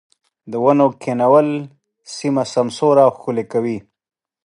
د ونو کښېنول سيمه سمسوره او ښکلې کوي.